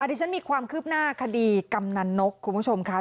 ดิฉันมีความคืบหน้าคดีกำนันนกคุณผู้ชมค่ะ